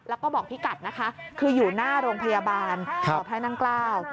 แล้วก็บอกพี่กัดนะคะคืออยู่หน้าโรงพยาบาลพระนั่งเกล้า